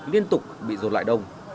liên tục bị rột lại đông